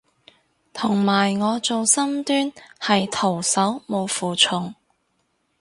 同埋我做深蹲係徒手冇負重